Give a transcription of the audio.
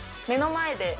目の前で。